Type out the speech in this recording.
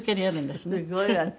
すごいわね。